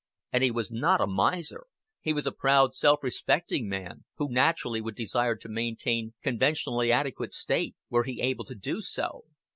And he was not a miser; he was a proud self respecting man, who naturally would desire to maintain conventionally adequate state, were he able to do so.